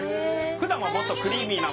普段はもっとクリーミーな。